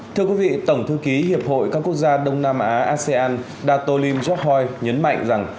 thưa quý vị tổng thư ký hiệp hội các quốc gia đông nam á asean datolim jokhoi nhấn mạnh rằng